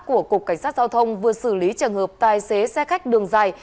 của cục cảnh sát giao thông vừa xử lý trường hợp tài xế xe khách đường dài